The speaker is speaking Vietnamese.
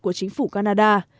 của chính phủ canada